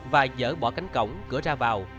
và dở bỏ cánh cổng cửa ra vào